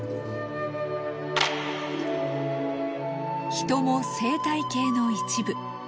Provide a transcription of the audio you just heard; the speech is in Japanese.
「人も生態系の一部」。